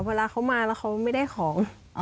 เวลาเขามาแล้วเขาไม่ได้ของ